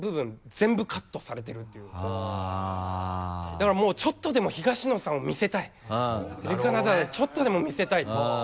だからもうちょっとでも東野さんを見せたいテレビ金沢でちょっとでも見せたい。